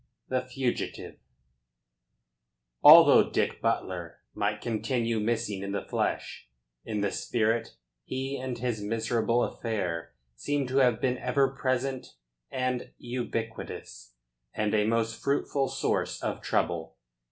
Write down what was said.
THE FUGITIVE Although Dick Butler might continue missing in the flesh, in the spirit he and his miserable affair seem to have been ever present and ubiquitous, and a most fruitful source of trouble.